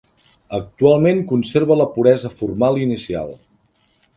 Actualment conserva la puresa formal inicial.